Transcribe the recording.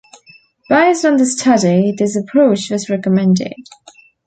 Based on the study, this approach was recommended.